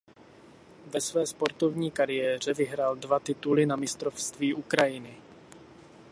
Ve své sportovní kariéře vyhrál dva tituly na Mistrovství Ukrajiny.